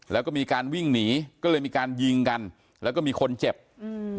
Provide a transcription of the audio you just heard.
แล้วก็มีการวิ่งหนีก็เลยมีการยิงกันแล้วก็มีคนเจ็บอืม